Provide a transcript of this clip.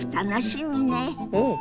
うん！